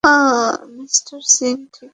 Mister Singh ঠিক বলেছেন।